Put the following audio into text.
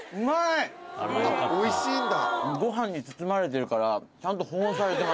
おいしいんだ。